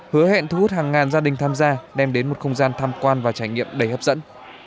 hứa hẹn thu hút hàng ngàn gia đình tham gia đem đến một không gian tham quan và trải nghiệm đầy hấp dẫn